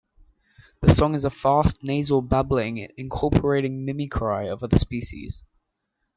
The song is a fast nasal babbling incorporating mimicry of other species.